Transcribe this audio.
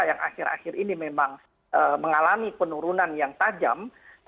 yang akhir akhir ini memang mengalami penurunan yang tajam